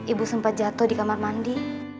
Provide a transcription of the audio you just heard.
ibu sempat jatuh di kamar mandi